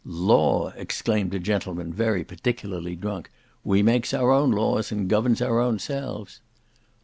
"Law!" exclaimed a gentleman very particularly drunk, "we makes our own laws, and governs our own selves."